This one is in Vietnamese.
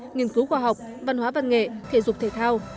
nghiên cứu khoa học văn hóa văn nghệ thể dục thể thao